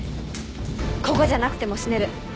「ここじゃなくても死ねる」